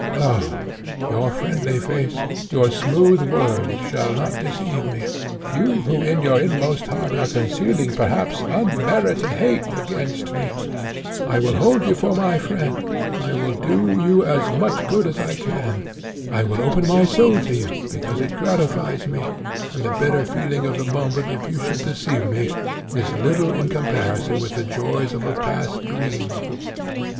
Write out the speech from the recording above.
No, your friendly face, your smooth words, shall not deceive me; you, who in your inmost heart are concealing perhaps unmerited hate against me: I will hold you for my friend, I will do you as much good as I can, I will open my soul to you, because it gratifies me, and the bitter feeling of the moment, if you should deceive me, is little in comparison with the joys of a past dream.